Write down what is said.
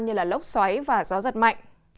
như lốc xoáy và gió giật mạnh